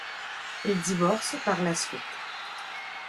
Il divorce par la suite.